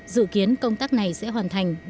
dự kiến công tác này sẽ hoàn thành